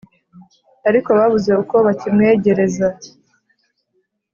ariko babuze uko bakimwegereza